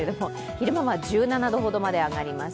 昼間は１７度ほどまで上がります。